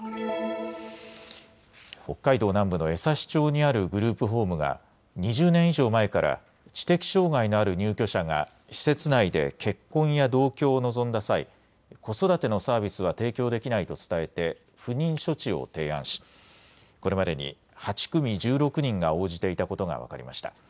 北海道南部の江差町にあるグループホームが２０年以上前から知的障害のある入居者が施設内で結婚や同居を望んだ際、子育てのサービスは提供できないと伝えて不妊処置を提案しこれまでに８組１６人が応じていたことが分かりました。